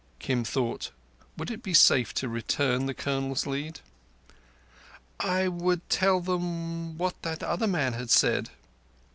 Kim thought. Would it be safe to return the Colonel's lead? "I would tell what that other man had said."